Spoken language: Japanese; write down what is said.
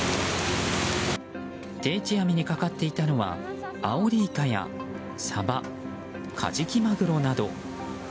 定置網にかかっていたのはアオリイカやサバカジキマグロなど。